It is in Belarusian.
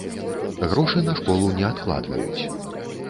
Грошы на школу не адкладваюць.